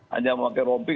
hanya memakai rompi